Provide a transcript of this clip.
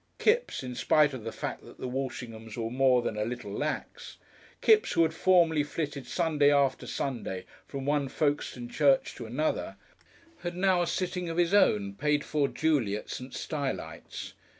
Kipps in spite of the fact that the Walshinghams were more than a little lax Kipps, who had formerly flitted Sunday after Sunday from one Folkestone church to another, had now a sitting of his own, paid for duly at Saint Stylites.